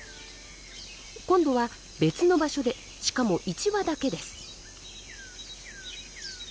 今度は別の場所でしかも１羽だけです。